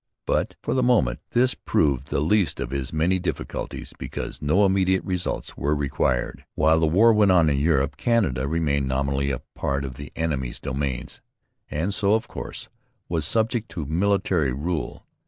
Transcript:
But, for the moment, this proved the least of his many difficulties because no immediate results were required. While the war went on in Europe Canada remained nominally a part of the enemy's dominions, and so, of course, was subject to military rule.